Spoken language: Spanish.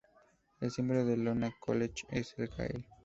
El símbolo del Iona College es el "Gael".